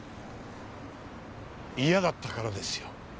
嫌だったからですよ。